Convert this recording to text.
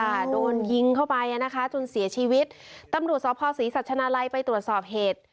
โดนยิงเข้าไปอ่ะนะคะจนเสียชีวิตตำรวจสภศรีสัชนาลัยไปตรวจสอบเหตุ